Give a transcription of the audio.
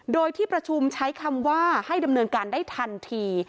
โดยที่ประชุมใช้คำว่าให้ดำเนินการได้ทันที